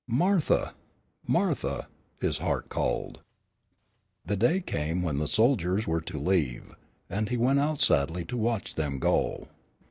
"Martha! Martha!" his heart called. The day came when the soldiers were to leave, and he went out sadly to watch them go.